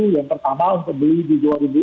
yang pertama untuk beli di